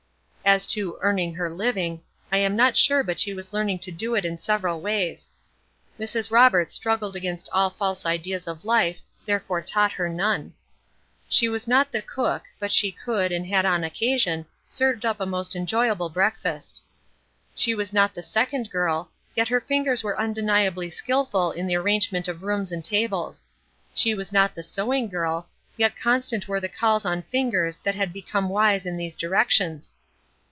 As to "earning her living," I am not sure but she was learning to do it in several ways. Mrs. Roberts struggled against all false ideas of life, therefore taught her none. She was not the cook, but she could, and had on occasion, served up a most enjoyable breakfast. She was not the second girl, yet her fingers were undeniably skilful in the arrangement of rooms and tables. She was not the sewing girl, yet constant were the calls on fingers that had become wise in these directions.